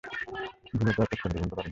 ভুলে যাওয়ার চেষ্টা করি, ভুলতে পারি না।